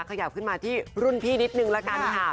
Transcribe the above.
ขยับขึ้นมาที่รุ่นพี่นิดนึงละกันค่ะ